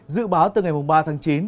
dự báo từ ngày ba tháng chín